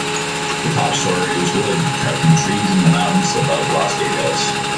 The top story was wood, cut from trees in the mountains above Los Gatos.